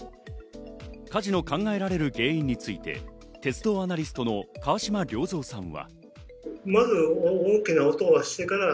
火事の考えられる原因について鉄道アナリストの川島令三さんは。